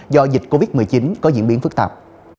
do dịch covid một mươi chín có diễn biến phức tạp